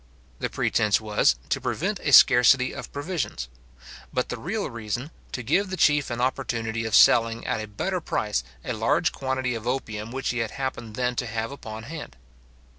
The pretence was, to prevent a scarcity of provisions; but the real reason, to give the chief an opportunity of selling at a better price a large quantity of opium which he happened then to have upon hand.